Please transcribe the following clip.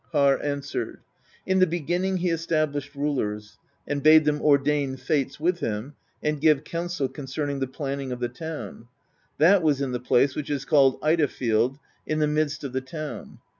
Harr answered: "In the be ginning he established rulers, and bade them ordain fates with him, and give counsel concerning the planning of the town; that was in the place which is called Ida field, in the midst of the town.